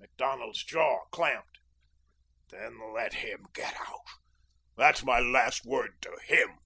Macdonald's jaw clamped. "Then let him get out. That's my last word to him."